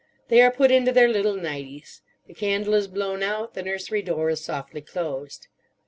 They are put into their little nighties. The candle is blown out, the nursery door is softly closed.